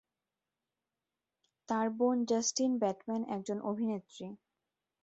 তার বোন Justine Bateman একজন অভিনেত্রী।